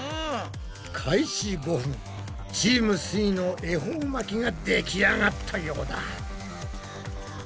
開始５分チームすイの恵方巻きができあがったようだ。